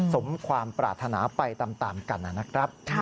สมความปรารถนาไปตามกันนะครับ